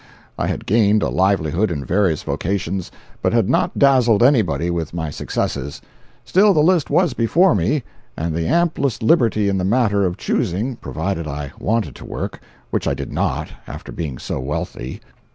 I had gained a livelihood in various vocations, but had not dazzled anybody with my successes; still the list was before me, and the amplest liberty in the matter of choosing, provided I wanted to work—which I did not, after being so wealthy.